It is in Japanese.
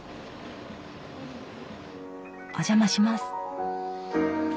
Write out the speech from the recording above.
お邪魔します。